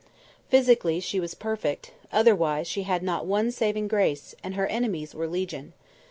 Physically she was perfect; otherwise, she had not one saving grace, and her enemies were legion.